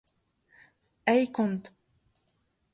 eikont